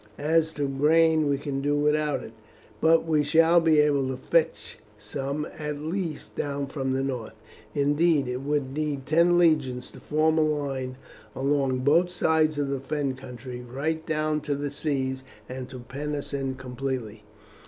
As to grain we can do without it, but we shall be able to fetch some at least down from the north. Indeed, it would need ten legions to form a line along both sides of the Fen country right down to the sea and to pen us in completely."